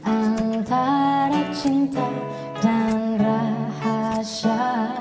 antara cinta dan rahasia